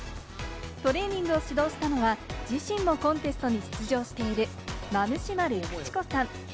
トレーニングを指導したのは自身もコンテストに出場しているマムシ〇口子さん。